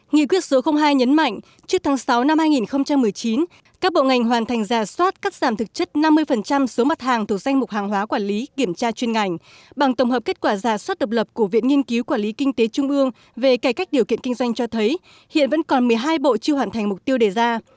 nghị quyết số hai nhấn mạnh trước tháng sáu năm hai nghìn một mươi chín các bộ ngành hoàn thành giả soát cắt giảm thực chất năm mươi số mặt hàng thuộc danh mục hàng hóa quản lý kiểm tra chuyên ngành bằng tổng hợp kết quả giả soát độc lập của viện nghiên cứu quản lý kinh tế trung ương về cải cách điều kiện kinh doanh cho thấy hiện vẫn còn một mươi hai bộ chưa hoàn thành mục tiêu đề ra